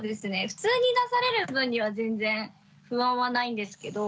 普通に出される分には全然不安はないんですけど。